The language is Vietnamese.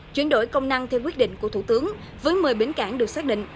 chuyển đổi công năng theo quyết định của thủ tướng với một mươi bến cảng được xác định